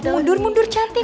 mundur mundur cantik